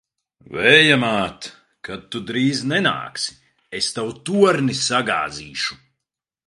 Vēja māt! Kad tu drīzi nenāksi, es tavu torni sagāzīšu!